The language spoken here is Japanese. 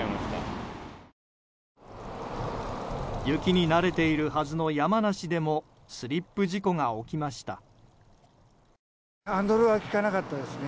雪に慣れているはずの山梨でもスリップ事故が起きました。